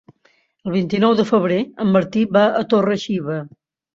El vint-i-nou de febrer en Martí va a Torre-xiva.